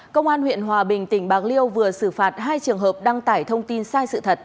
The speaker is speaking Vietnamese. công an huyện hòa bình tỉnh bạc liêu vừa xử phạt hai trường hợp đăng tải thông tin sai sự thật